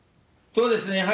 そうですね。